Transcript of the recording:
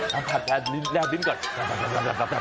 สัมผัสได้แล้วลิ้นก่อน